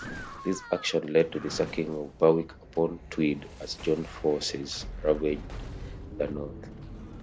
This action led to the sacking of Berwick-upon-Tweed as John's forces ravaged the north.